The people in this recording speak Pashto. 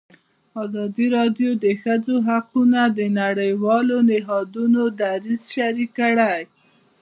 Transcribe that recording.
ازادي راډیو د د ښځو حقونه د نړیوالو نهادونو دریځ شریک کړی.